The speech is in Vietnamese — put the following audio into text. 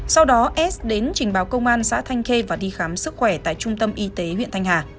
sau đó s đến trình báo công an xã thanh khê và đi khám sức khỏe tại trung tâm y tế huyện thanh hà